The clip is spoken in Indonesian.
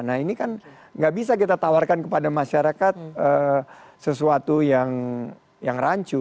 nah ini kan nggak bisa kita tawarkan kepada masyarakat sesuatu yang rancu